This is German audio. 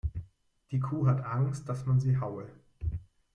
Die Kuh hat Angst, dass man sie haue.